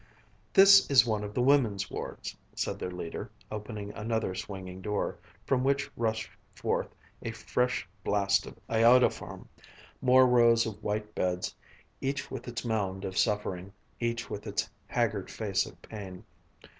"This is one of the women's wards," said their leader, opening another swinging door, from which rushed forth a fresh blast of iodoform. More rows of white beds, each with its mound of suffering, each with its haggard face of pain.